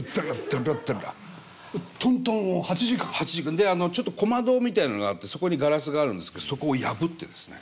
であのちょっと小窓みたいなのがあってそこにガラスがあるんですけどそこを破ってですね